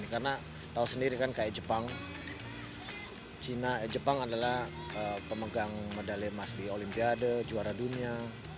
karena tahu sendiri kan kayak jepang jepang adalah pemegang medale emas di olimpiade juara dunia